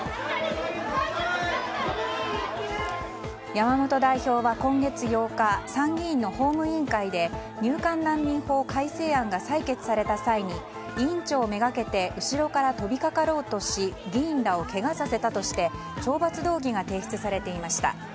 山本代表は今月８日参議院の法務委員会で入管難民法改正案が採決された際に委員長めがけて後ろから飛びかかろうとし議員らをけがさせたとして懲罰動議が提出されていました。